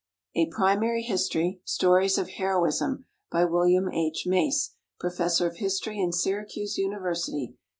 [A Primary History: Stories of Heroism. By William H. Mace, Professor of History in Syracuse University.